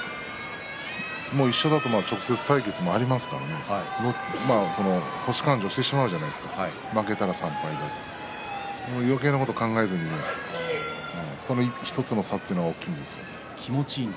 一緒だと直接対決もありますからね星勘定してしまうじゃないですか負けたら３敗だとかよけいなこと考えずにその１つの差というのは大きいです。